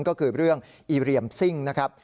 ก็คือเรื่องอีเรียมซิ่งนะครับ